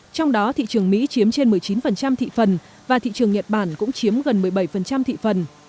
trong đó thị trường mỹ chiếm trên một mươi chín thị phần và thị trường nhật bản cũng chiếm gần một mươi bảy thị phần